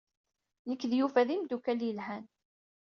Nekk d Yuba d imeddukal yelhan.